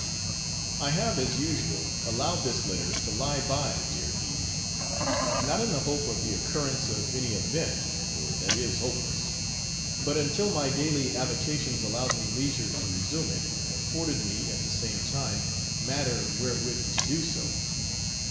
I have as usual allowed this letter to lie by, dear E , not in the hope of the occurrence of any event for that is hopeless but until my daily avocations allowed me leisure to resume it, and afforded me, at the same time, matter wherewith to do so.